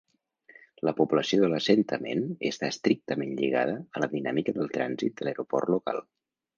La població de l'assentament està estrictament lligada a la dinàmica del trànsit de l'aeroport local.